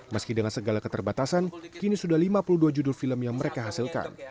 meski dengan segala keterbatasan kini sudah lima puluh dua judul film yang mereka hasilkan